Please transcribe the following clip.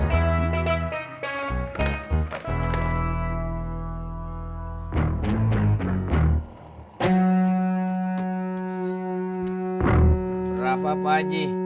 berapa pak haji